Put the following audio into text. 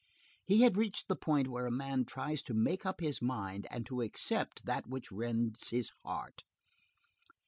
He had reached the point where a man tries to make up his mind and to accept that which rends his heart.